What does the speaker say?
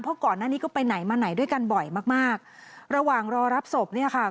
เพราะก่อนหน้านี้ก็ไปไหนมาไหนด้วยกันบ่อยมากมากระหว่างรอรับศพเนี่ยค่ะ